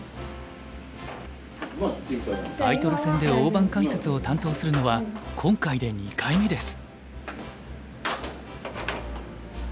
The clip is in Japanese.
タイトル戦で大盤解説を担当するのは今回で２回目です。